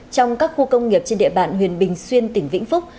trong các khu công nghiệp trên địa bàn huyện bình xuyên tỉnh vĩnh phúc